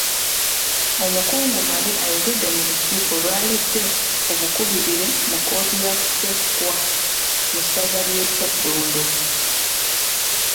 Omukungu Male ayogedde mu lukiiko lw’ayise obukubirire mu kkooti ya Kisekwa mu ssaza ly’e Kyaddondo